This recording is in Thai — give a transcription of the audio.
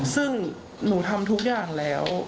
ซึ่งหนูทำทุกอย่างแล้ว